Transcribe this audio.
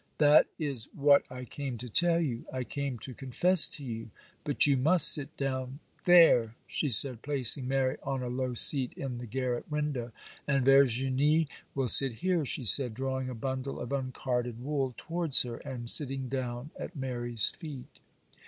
'That is what I came to tell you; I came to confess to you. But you must sit down there,' she said, placing Mary on a low seat in the garret window, 'and Verginie will sit here,' she said, drawing a bundle of uncarded wool towards her, and sitting down at Mary's feet.